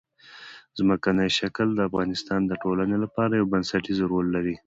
ځمکنی شکل د افغانستان د ټولنې لپاره یو بنسټيز رول لري.